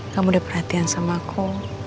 kamu udah perhatian sama aku